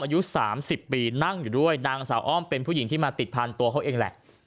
อายุ๓๐ปีนั่งอยู่ด้วยนางสาวอ้อมเป็นผู้หญิงที่มาติดพันธุ์ตัวเขาเองแหละ